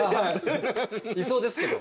いそうですけど。